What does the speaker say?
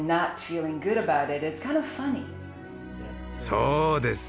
そうです。